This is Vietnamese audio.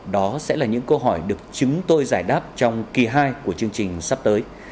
đó sẽ là những câu hỏi được chúng tôi giải đáp trong kỳ hai của chương trình sắp tới